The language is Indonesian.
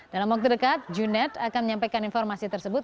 dalam waktu dekat junet akan menyampaikan informasi tersebut